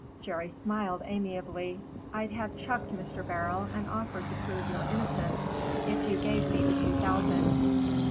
Jerry smiled amiably. "I'd have chucked Mr. Beryl and offered to prove your innocence if you gave me the two thousand.